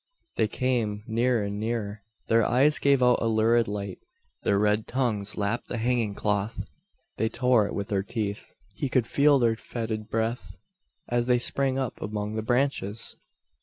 They came nearer and nearer. Their eyes gave out a lurid light. Their red tongues lapped the hanging cloth; they tore it with their teeth. He could feel their fetid breath, as they sprang up among the branches!